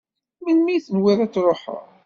Melmi i tenwiḍ ad tṛuḥeḍ?